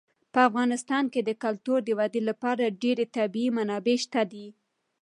په افغانستان کې د کلتور د ودې لپاره ډېرې طبیعي منابع شته دي.